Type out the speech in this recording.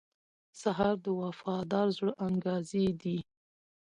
سهار د وفادار زړه انګازې دي.